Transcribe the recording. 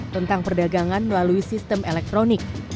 tentang perdagangan melalui sistem elektronik